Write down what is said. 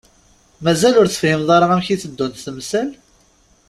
Mazal ur tefhimem ara amek i teddunt temsal?